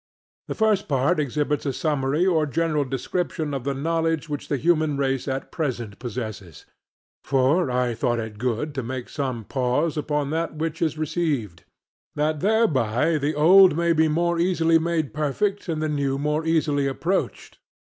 The first part exhibits a summary or general description of the knowledge which the human race at present possesses. For I thought it good to make some pause upon that which is received; that thereby the old may be more easily made perfect and the new more easily approached.